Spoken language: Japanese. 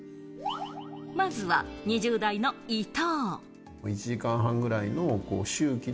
まずは２０代の伊藤。